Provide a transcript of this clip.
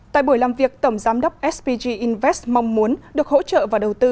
tại buổi làm việc tổng giám đốc spg invest mong muốn được hỗ trợ và đầu tư